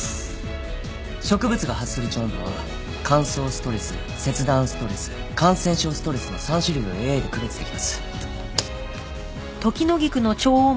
植物が発する超音波は乾燥ストレス切断ストレス感染症ストレスの３種類をＡＩで区別できます。